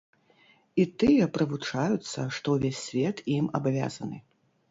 І тыя прывучаюцца, што ўвесь свет ім абавязаны.